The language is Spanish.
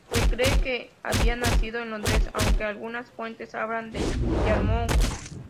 Se cree que había nacido en Londres, aunque algunas fuentes hablan de Yarmouth.